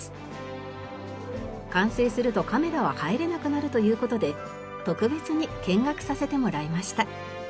完成するとカメラは入れなくなるという事で特別に見学させてもらいました。